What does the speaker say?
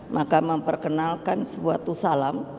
maka memperkenalkan suatu salam